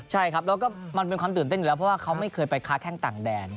ใช่ครับแล้วก็มันเป็นความตื่นเต้นอยู่แล้วเพราะว่าเขาไม่เคยไปค้าแข้งต่างแดน